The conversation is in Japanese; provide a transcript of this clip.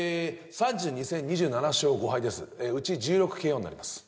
３２戦２７勝５敗ですうち１６ＫＯになります